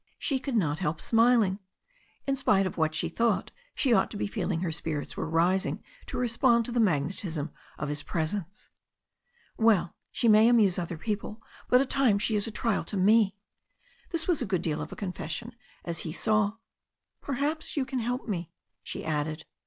She could not help smiling. In spite of what she thought she ought to be feeling her spirits were rising to respond to the magnetism of his presence. "Well, she may amuse other people, but at times she is a trial to me." This was a good deal of a confession, as he saw. "Perhaps you can help me," she added.